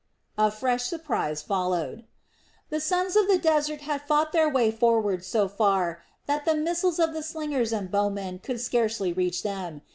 A fresh surprise followed. The sons of the desert had fought their way forward so far that the missiles of the slingers and bowmen could scarcely reach them.